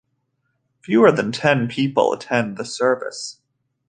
Fewer than ten people attended the service.